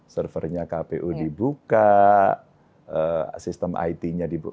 servernya kpu dibuka sistem it nya dibuka